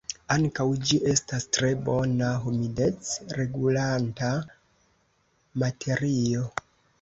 Ankaŭ, ĝi estas tre bona humidec-regulanta materio.